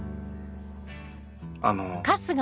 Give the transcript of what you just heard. あの。